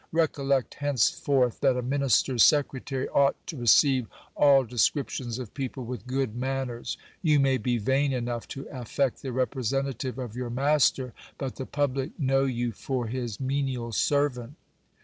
Recollect henceforth, that a minister's secretary ought to receive all descriptions of people with good manners. You may be vain enough to affect the representative of your master, but the public know you for his menial servant.